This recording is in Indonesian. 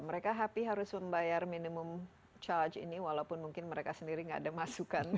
mereka happy harus membayar minimum charge ini walaupun mungkin mereka sendiri nggak ada masukan